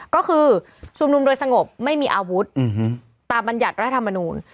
ก็คือชุมนุมโดยสงบไม่มีอาวุธตามบรรยัติรัฐธรรมนูล